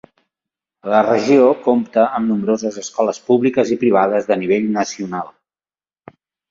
La regió compta amb nombroses escoles públiques i privades de nivell nacional.